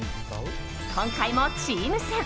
今回もチーム戦。